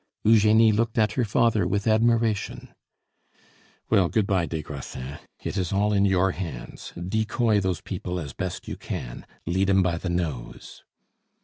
Eugenie looked at her father with admiration. "Well, good by, des Grassins; it is all in your hands. Decoy those people as best you can; lead 'em by the nose."